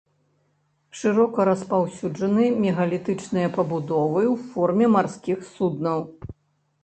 Шырока распаўсюджаны мегалітычныя пабудовы ў форме марскіх суднаў.